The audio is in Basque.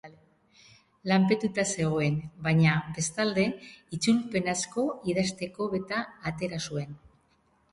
Lanpetuta zegoen, baina bestalde, itzulpen asko idazteko beta atera zuen.